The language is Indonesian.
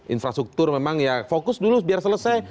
infrastruktur memang ya fokus dulu biar selesai